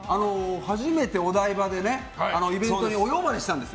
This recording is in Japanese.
初めてお台場でイベントにお呼ばれしたんですよ。